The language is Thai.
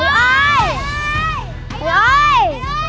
ไอ้อยไอ้อย